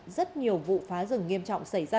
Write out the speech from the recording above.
rất nhiều vụ phá rừng nghiêm trọng xảy ra